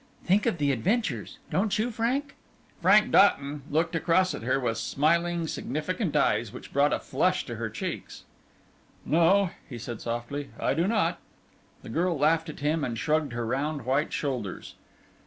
"Think of the adventures! Don't you, Frank?" Frank Doughton looked across at her with smiling significant eyes, which brought a flush to her cheeks. "No," he said softly, "I do not!" The girl laughed at him and shrugged her round white shoulders.